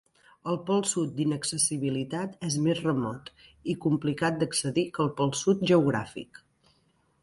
El pol Sud d'inaccessibilitat és més remot i complicat d'accedir que el pol Sud geogràfic.